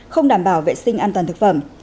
không đảm bảo vệ sinh an toàn thực phẩm